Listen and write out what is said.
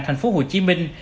thành phố hồ chí minh